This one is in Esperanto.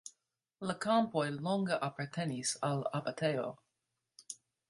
La kampoj longe apartenis al abatejo.